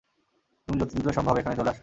তুমি যতদ্রুত সম্ভব এখানে চলে আসো।